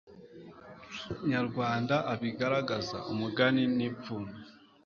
nyarwanda abigaragaza ,umugani n'ipfundo